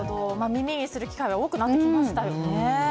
耳にする機会は多くなってきましたよね。